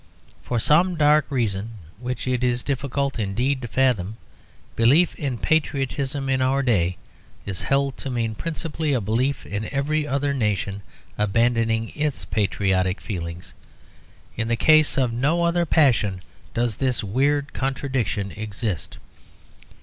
For some dark reason, which it is difficult indeed to fathom, belief in patriotism in our day is held to mean principally a belief in every other nation abandoning its patriotic feelings. In the case of no other passion does this weird contradiction exist.